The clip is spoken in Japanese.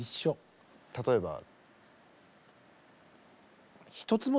例えば？